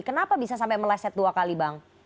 kenapa bisa sampai meleset dua kali bang